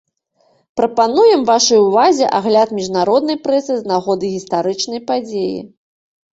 Прапануем вашай увазе агляд міжнароднай прэсы з нагоды гістарычнай падзеі.